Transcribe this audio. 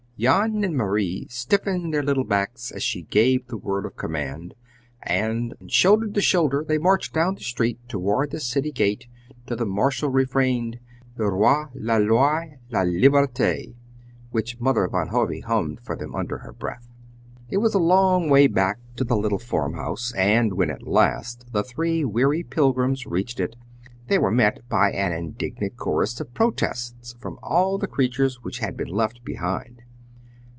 Jan and Marie stiffened their little backs, as she gave the word of command, and, shoulder to shoulder, they marched down the street toward the city gate to the martial refrain, "Le Roi, la loi, la liberte," which Mother Van Hove hummed for them under her breath. It was a long way back to the little farm house, and when at last the three weary pilgrims reached it, they were met by an indignant chorus of protests from all the creatures which had been left behind.